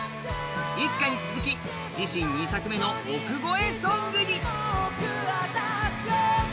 「いつか」に続き、自身２作目の億超えソングに。